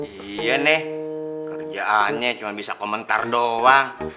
iya deh kerjaannya cuma bisa komentar doang